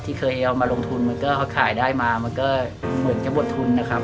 ที่เคยเอามาลงทุนมันก็เขาขายได้มามันก็เหมือนจะหมดทุนนะครับ